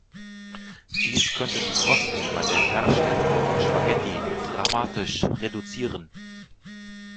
Dies könnte die Kosten bei der Herstellung von Spaghetti dramatisch reduzieren.